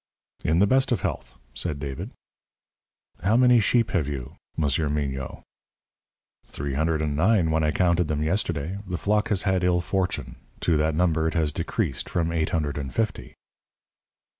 "In the best of health," said David. "How many sheep have you, Monsieur Mignot?" "Three hundred and nine, when I counted them yesterday. The flock has had ill fortune. To that number it has decreased from eight hundred and fifty."